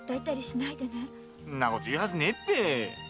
そんなこと言うはずねぇよ。